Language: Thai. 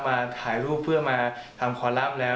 มาถ่ายรูปเพื่อมาทำคอลลับแล้ว